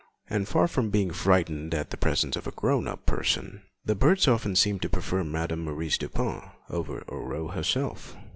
And far from being frightened at the presence of a grown up person, the birds often seemed to prefer Madame Maurice Dupin to Aurore herself.